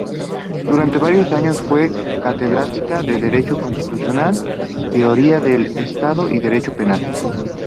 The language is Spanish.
Durante varios años fue catedrática de derecho constitucional, teoría del Estado y derecho penal.